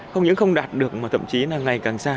không những không đạt được mà thậm chí là ngày càng xa